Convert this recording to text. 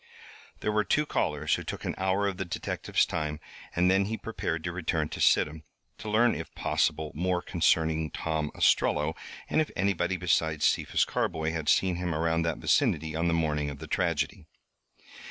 There were two callers who took an hour of the detective's time, and then he prepared to return to Sidham, to learn if possible more concerning Tom Ostrello, and if anybody besides Cephas Carboy had seen him around that vicinity on the morning of the tragedy.